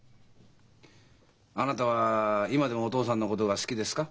あなたは今でもお父さんのことが好きですか？